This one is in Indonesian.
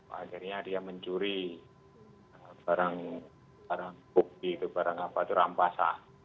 akhirnya dia mencuri barang bukti itu barang apa itu rampasa